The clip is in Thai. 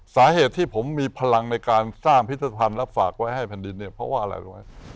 สาเหตุที่ผมมีพลังในการสร้างพิธภัณฑ์และฝากไว้ให้แผ่นดินเนี่ยเพราะว่าอะไรรู้ไหม